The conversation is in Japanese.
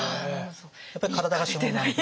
やっぱり体が資本なんで。